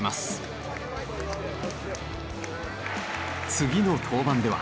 次の登板では。